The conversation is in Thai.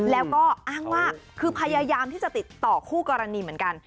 แล้วก็อ้างว่าคือพยายามที่จะติดต่อคู่กรณีเหมือนกัน